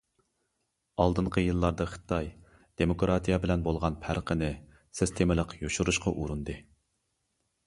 ئالدىنقى يىللاردا خىتاي دېموكراتىيە بىلەن بولغان پەرقنى سىستېمىلىق يوشۇرۇشقا ئۇرۇندى.